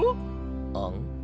あん？